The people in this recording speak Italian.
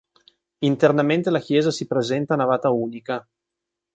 Internamente la chiesa si presenta a navata unica.